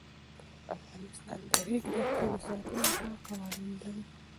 افغانستان د د ریګ دښتې د ساتنې لپاره قوانین لري.